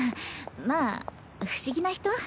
まあ不思議な人？